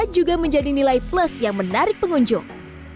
juga menjadi nilai plus yang menarik pengunjung